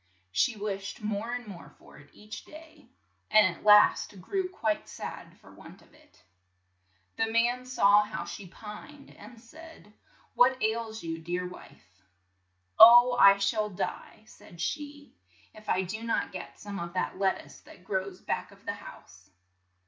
She wished more and more for it each day, and at last grew quite sad for want of it. The man saw how she pined, and said, "What ails you, dear wife?" "Oh, I shall die," said she, "if I do not get some of that let tuce that grows back of the house."